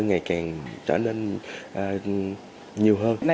ngày càng trở nên nhiều hơn